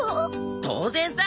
当然さ。